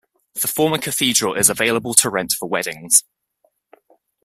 The former cathedral is available to rent for weddings.